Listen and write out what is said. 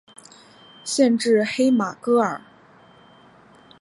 县治黑马戈尔。